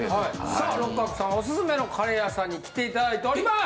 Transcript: さあ六角さんオススメのカレー屋さんに来ていただいております！